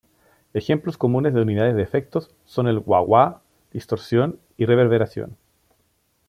Ejemplos comunes de unidades de efectos son el wah-wah, distorsión y reverberación.